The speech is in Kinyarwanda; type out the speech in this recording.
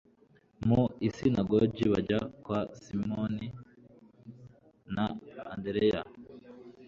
mu isinagogi bajya kwa Simoni na Andereya